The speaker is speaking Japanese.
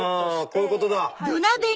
こういうことだ！